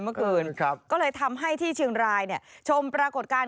แล้วก็มีเมฆ่วน